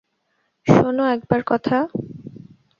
শোনো একবার কথা!